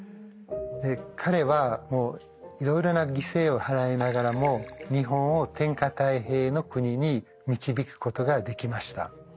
彼はいろいろな犠牲を払いながらも日本を天下泰平の国に導くことができました。